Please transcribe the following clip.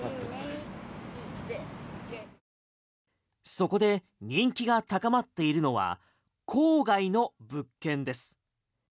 そこで人気が高まっているのは郊外の物件です。